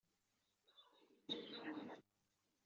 Maɣef ay tbeddlem awal?